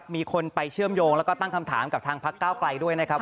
มีคนไปเชื่อมโยงแล้วก็ตั้งคำถามกับทางพักเก้าไกลด้วยนะครับ